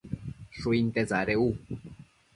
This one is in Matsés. Shuinte tsadec u